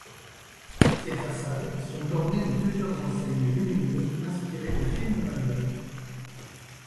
Ses façades sont ornés de plusieurs enseignes lumineuses inspirées de films majeurs.